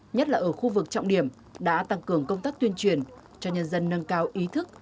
nhất là ở khu vực trọng điểm đã tăng cường công tác tuyên truyền cho nhân dân nâng cao ý thức